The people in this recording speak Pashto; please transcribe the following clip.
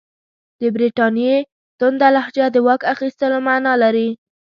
د برټانیې تونده لهجه د واک اخیستلو معنی لري.